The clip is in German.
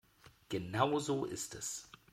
Genau so ist es.